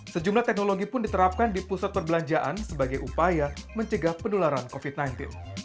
sejumlah teknologi pun diterapkan di pusat perbelanjaan sebagai upaya mencegah penularan covid sembilan belas